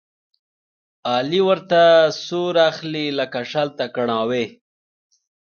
علي ورته سور اخلي، لکه شل ته کڼاوې.